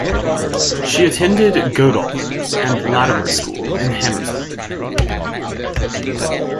She attended Godolphin and Latymer School in Hammersmith.